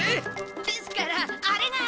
ですからあれが。